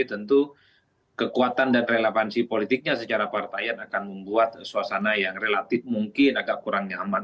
tentu kekuatan dan relevansi politiknya secara partaian akan membuat suasana yang relatif mungkin agak kurang nyaman